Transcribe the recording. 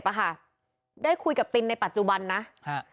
ต้นขาขวาเมื่อกี้นี่นอนเจ็บอ่ะค่ะได้คุยกับตินในปัจจุบันนะฮะ